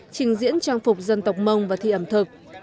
trình diễn trang phục dân tộc mông và thi ẩm thực